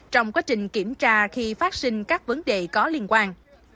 trong quá trình kiểm tra khi phát sinh các vấn đề có liên quan